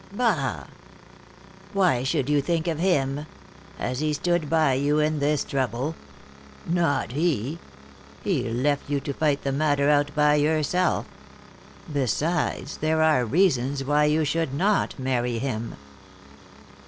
"Bah! Why should you think of him? Has he stood by you in this trouble? Not he! He left you to fight the matter out by yourself. Besides, there are reasons why you should not marry him."